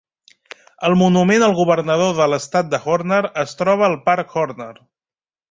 El monument al governador de l'estat de Horner es troba al Parc Horner.